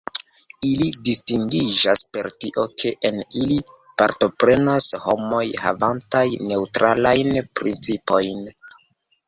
Ili distingiĝas per tio, ke en ili partoprenas homoj, havantaj neŭtralajn principojn.